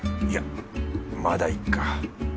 いやまだいっか。